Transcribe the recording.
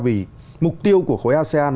vì mục tiêu của khối asean